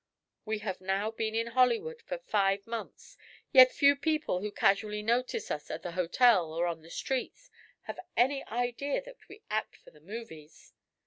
We have now been in Hollywood for five months, yet few people who casually notice us at the hotel or on the streets have any idea that we act for the 'movies.'